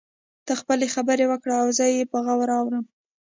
ته خپلې خبرې وکړه او زه يې په غور اورم.